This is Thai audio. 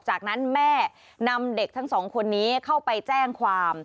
จากนั้นแม่นำเด็กทั้งสองคนนี้เข้าไปแจ้งความ